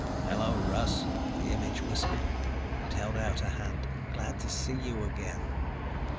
"Hello, Russ," the image whispered. It held out a hand. "Glad to see you again."